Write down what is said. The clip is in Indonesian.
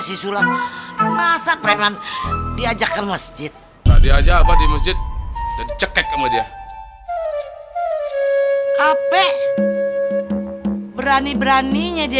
sulam masa keren diajak ke masjid diajak apa di masjid ceket sama dia hp berani beraninya dia